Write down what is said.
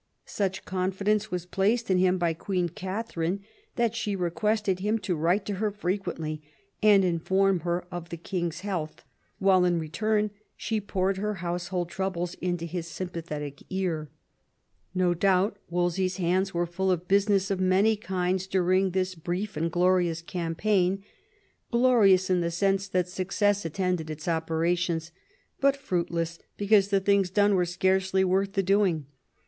Such confidence was placed in him by Queen Katharine that she requested him to write to her frequently and inform her of the king's health, while in return she poured her household troubles into his sympathetic ear. No doubt Wolsey's hands were full of business of many kinds during this brief and glorious campaign, glorious in the sense that success attended its operations, but fruitless because the things done were scarcely worth the doing.